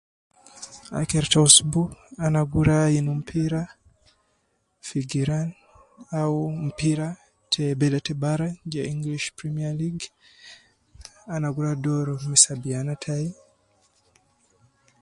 Akhir te usbu ana gi ruwa ayin mpira, fi giran au mpira te bele te bara je English premier League, ana gi ruwa doru me sabiana tayi